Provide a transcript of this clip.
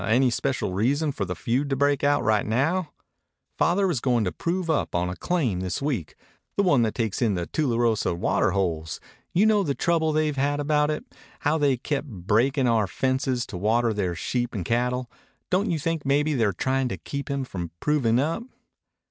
"Any special reason for the feud to break out right now?" "Father was going to prove up on a claim this week the one that takes in the Tularosa water holes. You know the trouble they've had about it how they kept breaking our fences to water their sheep and cattle. Don't you think maybe they're trying to keep him from proving up?"